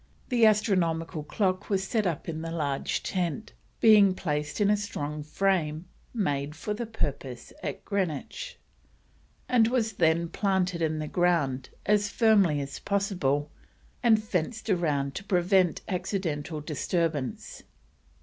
The astronomical clock was set up in the large tent, being placed in a strong frame made for the purpose at Greenwich, and was then planted in the ground as firmly as possible and fenced round to prevent accidental disturbance.